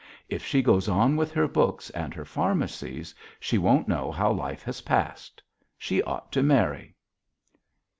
If she goes on with her books and her pharmacies she won't know how life has passed.... She ought to marry."